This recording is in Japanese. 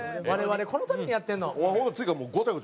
我々このためにやってるの。